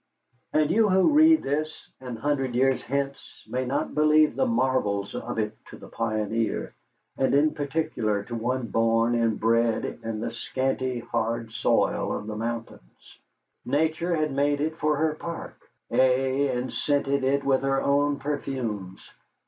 And you who read this an hundred years hence may not believe the marvels of it to the pioneer, and in particular to one born and bred in the scanty, hard soil of the mountains. Nature had made it for her park, ay, and scented it with her own perfumes.